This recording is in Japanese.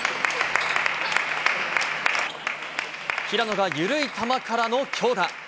平野が緩い球からの強打。